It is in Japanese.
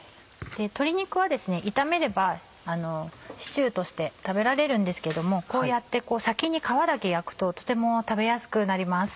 鶏肉は炒めればシチューとして食べられるんですけれどもこうやって先に皮だけ焼くととても食べやすくなります。